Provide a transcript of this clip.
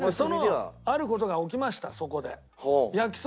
ある事が起きましたそこで。